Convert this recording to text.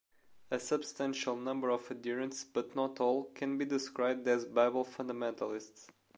A substantial number of adherents, but not all, can be described as Bible fundamentalists.